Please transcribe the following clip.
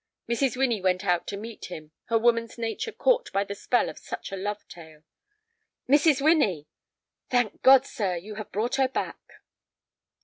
Mrs. Winnie went out to meet him, her woman's nature caught by the spell of such a love tale. "Mrs. Winnie!" "Thank God, sir, and you have brought her back."